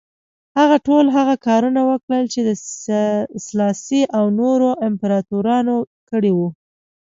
هغه ټول هغه کارونه وکړل چې سلاسي او نورو امپراتورانو کړي وو.